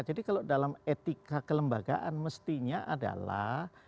jadi kalau dalam etika kelembagaan mestinya adalah